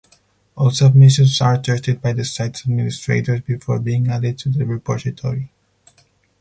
All submissions are tested by the site's administrators before being added to the repository.